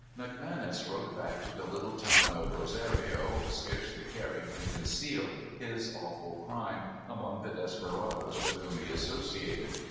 McManus rode back to the little town of Rosa rio, scarcely caring to conceal his awful crime among the desperadoes whh whom he associated.